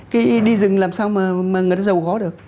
cái đi rừng làm sao mà người ta giàu có được